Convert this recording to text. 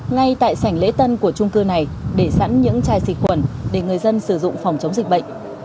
ngay tại sảnh lễ tân của trung cư này để sẵn những chai xịt khuẩn để người dân sử dụng phòng chống dịch bệnh